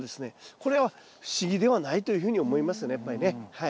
これは不思議ではないというふうに思いますねやっぱりねはい。